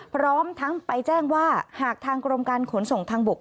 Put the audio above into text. พร้อมทั้งไปแจ้งว่าหากทางกรมการขนส่งทางบก